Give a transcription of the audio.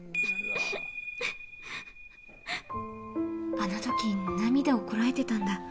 あのとき、涙をこらえてたんだ。